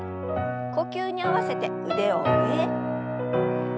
呼吸に合わせて腕を上へ。